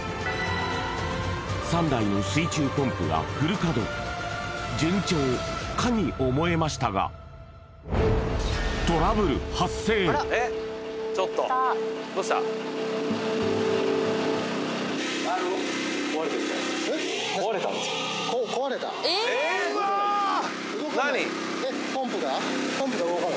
３台の水中ポンプがフル稼働順調かに思えましたがえっポンプが？